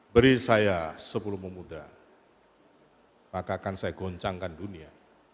beri saya sepuluh pemuda maka akan saya goncangkan dunia